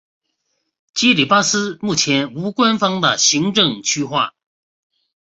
基里巴斯目前无官方的行政区划。